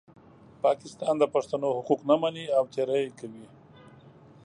پاکستان د پښتنو حقوق نه مني او تېری کوي.